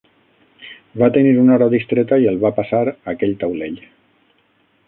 Va tenir una hora distreta i el va passar aquell taulell.